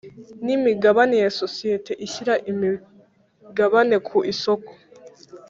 n imigabane ya sosiyete ishyira imigabane ku isoko